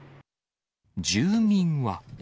住民は。